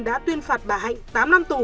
đã tuyên phạt bà hạnh tám năm tù